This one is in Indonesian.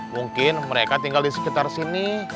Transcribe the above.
mungkin mereka tinggal di sekitar sini